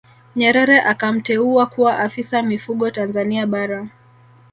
Nyerere akamteua kuwa Afisa Mifugo Tanzania Bara